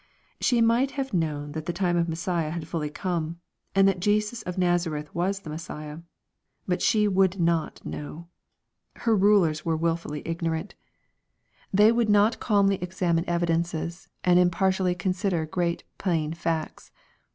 She might have known that the times of Messiah had fully come, and that Jesus of Nazareth was the Messiah. Bui she would not know. Her rulers were wilfully ignoranti / LUKE, CHAP. XIX. 315 They would not calmly examine evidences, and impar tially consider great plain facts.